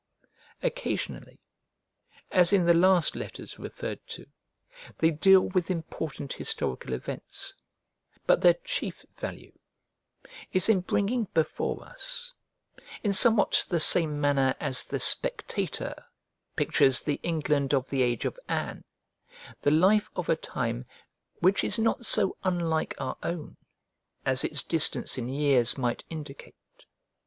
Occasionally, as in the last letters referred to, they deal with important historical events; but their chief value is in bringing before us, in somewhat the same manner as "The Spectator" pictures the England of the age of Anne, the life of a time which is not so unlike our own as its distance in years might indicate.